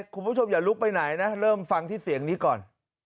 คุณผู้ชมอย่าลุกไปไหนนะเริ่มฟังที่เสียงนี้ก่อน